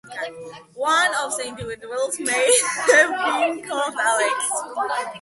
One of the individuals may have been called "Alex".